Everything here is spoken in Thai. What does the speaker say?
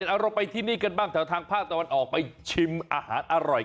เจมส์เอาเราไปที่นี้กันบ้างตอนทางพลาดตะวันออกไปชิมอาหาธิอร่อย